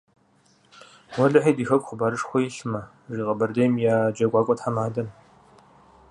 - Уэлэхьэ, ди хэку хъыбарышхуэ илъмэ, - жи Къэбэрдейм я джэгуакӀуэ тхьэмадэм.